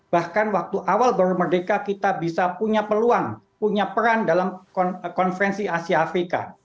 bahkan waktu awal baru merdeka kita bisa punya peluang punya peran dalam konferensi asia afrika